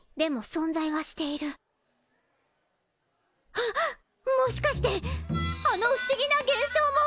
はっもしかしてあの不思議な現象も。